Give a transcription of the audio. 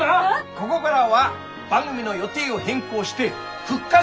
こごがらは番組の予定を変更して復活！